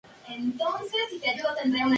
Estudió en la Escuela Nacional de Arte Dramático.